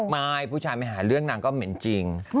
ไม่ผู้ชายไปหาเรื่องนางก็เหม็นจริง